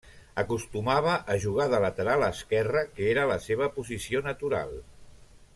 Acostumava a jugar de lateral esquerre, que era la seva posició natural.